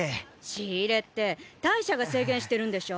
仕入れって大赦が制限してるんでしょ？